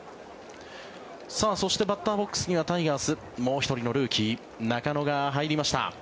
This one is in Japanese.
そしてバッターボックスにはタイガース、もう１人のルーキー中野が入りました。